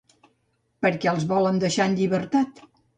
Per què els volen deixar en llibertat?